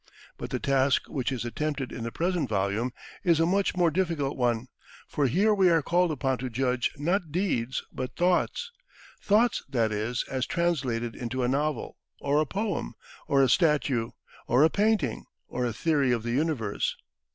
But the task which is attempted in the present volume is a much more difficult one, for here we are called upon to judge not deeds but thoughts thoughts, that is, as translated into a novel, or a poem, or a statue, or a painting, or a theory of the universe.